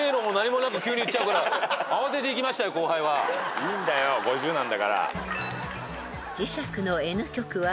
いいんだよ５０なんだから。